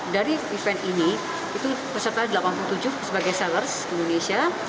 dari event ini itu peserta delapan puluh tujuh sebagai sellers indonesia